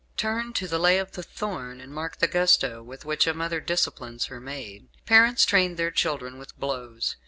Turn to "The Lay of the Thorn," and mark the gusto with which a mother disciplines her maid. Parents trained their children with blows.